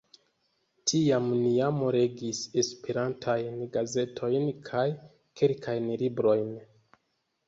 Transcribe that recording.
Tiam ni jam legis Esperantajn gazetojn kaj kelkajn librojn.